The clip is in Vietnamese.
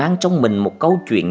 còn mang trong mình một câu chuyện